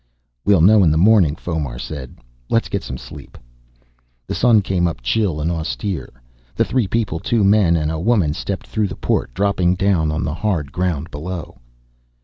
"We'll know in the morning," Fomar said. "Let's get some sleep." The sun came up chill and austere. The three people, two men and a woman, stepped through the port, dropping down on the hard ground below.